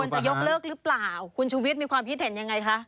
จะยกเลิกหรือเปล่าคุณชุวิตมีความคิดเห็นยังไงคะ